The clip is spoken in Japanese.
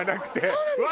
そうなんですか！